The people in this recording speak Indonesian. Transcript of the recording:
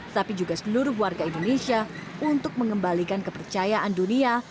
tapi juga seluruh warga indonesia untuk mengembalikan kepercayaan dunia